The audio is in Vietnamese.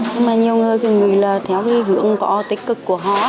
nhưng mà nhiều người thì nghĩ là theo cái hưởng có tích cực của họ